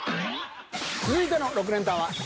続いての６連単はよっ！